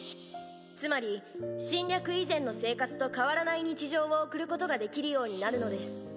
つまり侵略以前の生活と変わらない日常を送ることができるようになるのです。